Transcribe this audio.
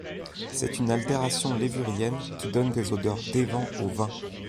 C'est une altération levurienne, qui donne des odeurs d'évent au vin.